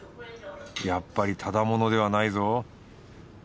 やっぱりただ者ではないぞ。